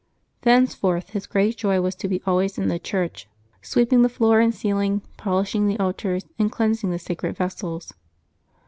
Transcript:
Thenceforth his great joy was to be always in the church, sweeping the floor and ceiling, polishing the altars, and cleansing the sacred vessels.